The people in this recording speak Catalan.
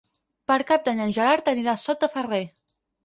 Per Cap d'Any en Gerard anirà a Sot de Ferrer.